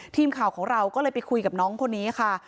ทีมข่าวของเราก็เลยไปคุยกับน้องคนนี้ค่ะ